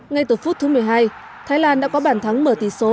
ngay từ phút thứ một mươi hai thái lan đã có bàn thắng mở tỷ số